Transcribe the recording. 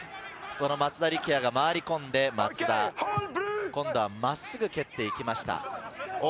その松田力也が回り込んで、今度は真っすぐ蹴っていきました。